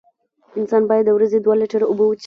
انسان باید د ورځې دوه لېټره اوبه وڅیښي.